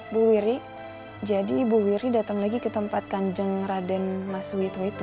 bu wiri jadi ibu wiri datang lagi ke tempat kanjeng raden mas wito itu